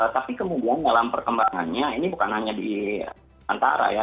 tapi kemudian dalam perkembangannya ini bukan hanya di antara ya